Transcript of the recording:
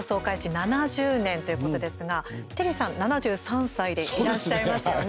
７０年ということですがテリーさん７３歳でいらっしゃいますよね。